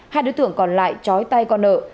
hai đối tượng còn lại chói tay con nợ